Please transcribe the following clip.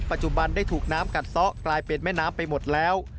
ปัจจุบันได้ถูกน้ำกัดซะกลายเป็นแม่น้ำไปหมดแล้ว